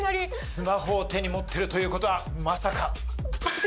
スマホを手に持ってるということはまさか。